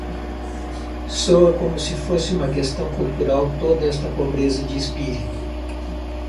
Soa como se fosse uma questão cultural toda essa pobreza de espírito